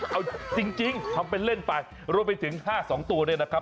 เอาจริงทำเป็นเล่นไปรวมไปถึง๕๒ตัวเนี่ยนะครับ